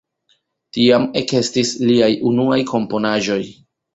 Tiam ekestis liaj unuaj komponaĵoj.